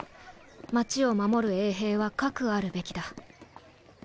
街を守る衛兵は斯くあるべきだ。